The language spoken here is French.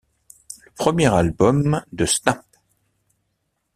Le premier album de Snap!